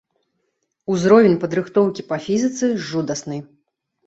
Узровень падрыхтоўкі па фізіцы жудасны.